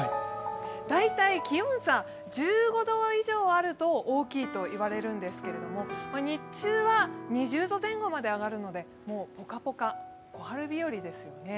大体、気温差１５度以上あると大きいと言われるんですけれども、日中は２０度前後まで上がるので、もうぽかぽか、小春日和ですね。